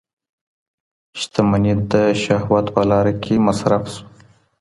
شتمني د شهوت په لاره کي مصرف سوه.